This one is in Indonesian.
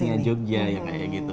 hasnya jogja yang kayak gitu